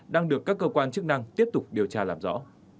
đang được các cơ quan chức năng tiếp tục điều tra làm rõ